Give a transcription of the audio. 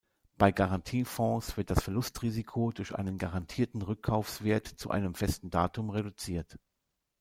Bei Garantiefonds wird das Verlustrisiko durch einen garantierten Rückkaufswert zu einem festen Datum reduziert.